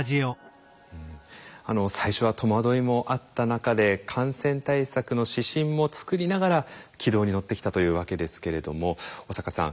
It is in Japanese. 最初は戸惑いもあった中で感染対策の指針も作りながら軌道に乗ってきたというわけですけれども小坂さん